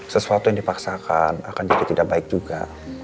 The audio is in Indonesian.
sesuatu yang dipaksakan akan jadi tidak baik juga